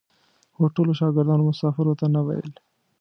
هوټلو شاګردانو مسافرو ته نه ویل.